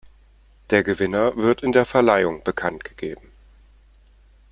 Der Gewinner wird in der Verleihung bekanntgegeben.